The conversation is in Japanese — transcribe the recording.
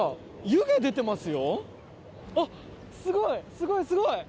すごいすごい！